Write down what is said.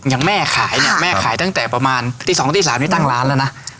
อย่างแม่ขายเนี่ยแม่ขายตั้งแต่ประมาณตี๒ตี๓นี่ตั้งร้านแล้วนะ